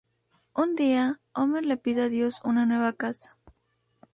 Un día, Homer le pide a Dios una nueva casa.